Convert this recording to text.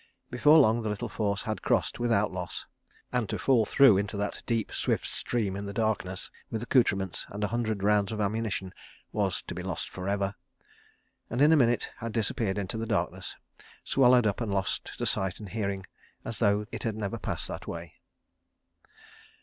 Before long the little force had crossed without loss—(and to fall through into that deep, swift stream in the darkness with accoutrements and a hundred rounds of ammunition was to be lost for ever)—and in a minute had disappeared into the darkness, swallowed up and lost to sight and hearing, as though it had never passed that way.